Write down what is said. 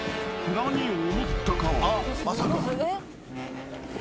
何を思ったか］